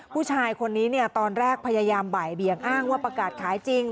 ผู้ชายคนนี้ตอนแรกพยายามบ่ายเบียงอ้างว่าประกาศขายจริง